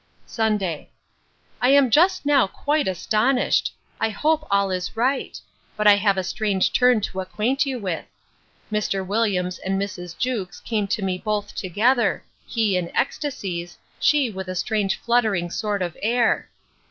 Sunday. I am just now quite astonished!—I hope all is right!—but I have a strange turn to acquaint you with. Mr. Williams and Mrs. Jewkes came to me both together; he in ecstacies, she with a strange fluttering sort of air.